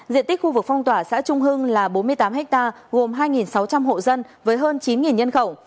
diện tích khu vực phong tỏa xã trung hưng là bốn mươi tám ha gồm hai sáu trăm linh hộ dân với hơn chín nhân khẩu